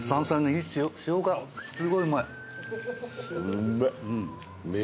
うめえ！